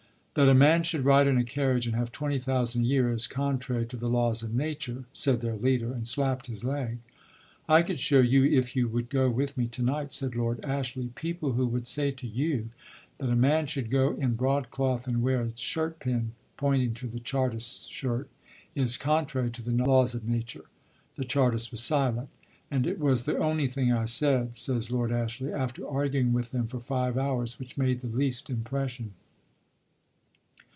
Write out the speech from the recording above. "That a man should ride in a carriage and have twenty thousand a year is contrary to the laws of Nature," said their leader, and slapped his leg. "I could show you, if you would go with me to night," said Lord Ashley, "people who would say to you, that a man should go in broadcloth and wear a shirt pin (pointing to the Chartist's shirt) is contrary to the laws of Nature." The Chartist was silent. "And it was the only thing I said," says Lord Ashley, "after arguing with them for five hours which made the least impression."